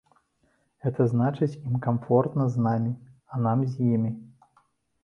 Гэта значыць, ім камфортна з намі, а нам з імі.